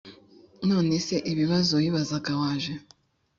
None se ibibazo wibazaga waje